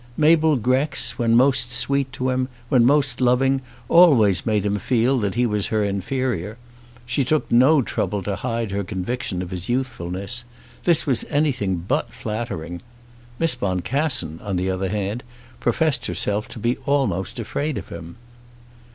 Mabel Grex when most sweet to him, when most loving, always made him feel that he was her inferior. She took no trouble to hide her conviction of his youthfulness. This was anything but flattering. Miss Boncassen, on the other hand, professed herself to be almost afraid of him.